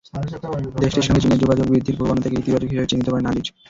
দেশটির সঙ্গে চীনের যোগাযোগ বৃদ্ধির প্রবণতাকে ইতিবাচক হিসেবে চিহ্নিত করেন আজিজ।